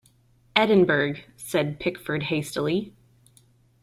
"Edinburgh," said Pickford hastily.